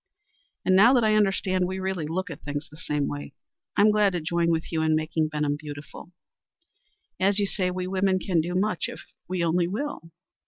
And now that I understand we really look at things the same way, I'm glad to join with you in making Benham beautiful. As you say, we women can do much if we only will.